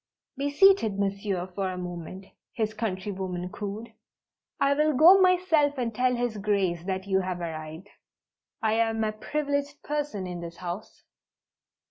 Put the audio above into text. "Be seated, Monsieur, for a moment," his countrywoman cooed. "I will go myself and tell His Grace that you have arrived. I am a privileged person in this house!"